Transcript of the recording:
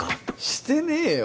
してねえよ。